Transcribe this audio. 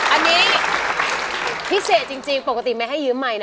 อันนี้พิเศษจริงปกติไม่ให้ยืมใหม่นะ